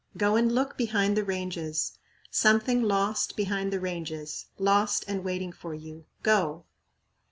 Go and look behind the Ranges Something lost behind the Ranges. Lost and waiting for you. Go!'